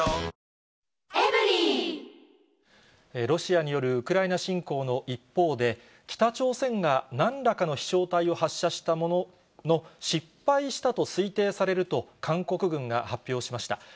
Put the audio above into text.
ロシアによるウクライナ侵攻の一方で、北朝鮮がなんらかの飛しょう体を発射したものの、失敗したと推定されると韓国軍が発表しました。